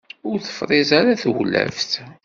Ur tefṛiz ara tewlaft.